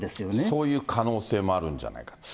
そういう可能性もあるんじゃないかと。